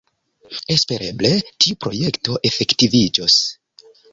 Espereble, tiu projekto efektiviĝos.